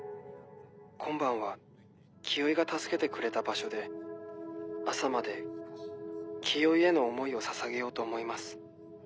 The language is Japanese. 今晩は清居が助けてくれた場所で朝まで清居への想いをささげようと思います。